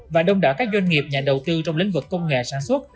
và đông đảo các doanh nghiệp nhà đầu tư trong lĩnh vực công nghệ sản xuất